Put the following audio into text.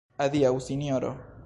Adiaŭ, Sinjoro!